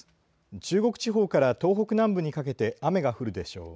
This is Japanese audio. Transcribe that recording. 中国地方から東北南部にかけて雨が降るでしょう。